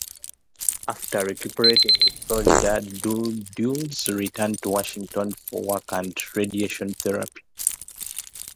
After recuperating in Florida, Dulles returned to Washington for work and radiation therapy.